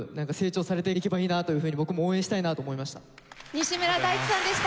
西村大地さんでした。